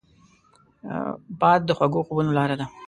باد د خوږو خوبونو لاره ده